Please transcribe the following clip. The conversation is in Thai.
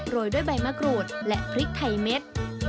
ยด้วยใบมะกรูดและพริกไทยเม็ด